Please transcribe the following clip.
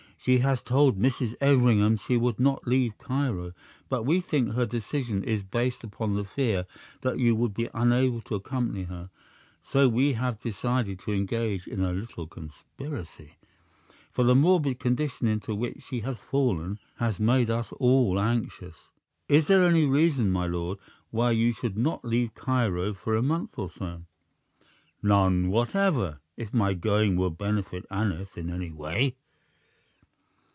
"She has told Mrs. Everingham she would not leave Cairo, but we think her decision is based upon the fear that you would be unable to accompany her; so we have decided to engage in a little conspiracy, for the morbid condition into which she has fallen has made us all anxious. Is there any reason, my lord, why you should not leave Cairo for a month or so?" "None whatever, if my going will benefit Aneth in any way."